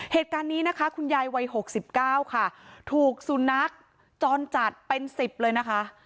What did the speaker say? เหตุการณ์นี้นะคะคุณยายวัย๖๙ค่ะถูกสุนัขจรจัดเป็น๑๐เลยนะคะ